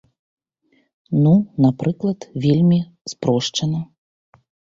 Ну напрыклад, вельмі спрошчана.